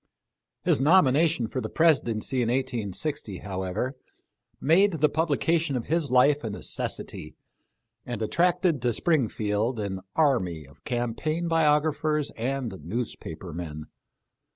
His nomination for the Presidency in i860, however, made the publication of his life a neces sity, and attracted to Springfield an army of cam paign biographers and newspaper men.